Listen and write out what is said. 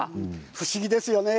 不思議ですよね。